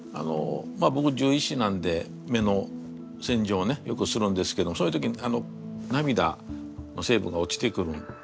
ぼく獣医師なんで目のせんじょうをよくするんですけどそういう時に涙の成分が落ちてくるんですね。